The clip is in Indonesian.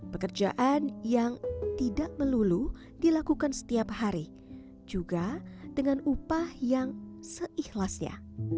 pekerjaan yang tidak melulu dilakukan setiap hari juga dengan upah yang seikhlasnya